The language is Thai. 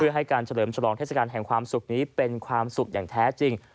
ให้การเฉลิมฉลองเทศกาลแห่งความสุขนี้เป็นความสุขอย่างแท้จริง